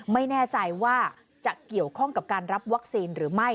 ไม่แน่ใจว่าจะเกี่ยวข้องกับการรับวัคซีนหรือไม่